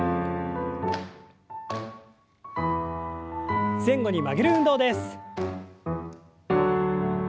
前後に曲げる運動です。